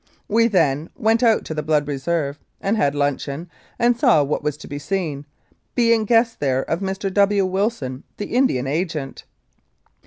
We then went out to the Blood Reserve, and had luncheon, and saw what was to be seen, being guests there of Mr. W. Wilson, the Indian Agent.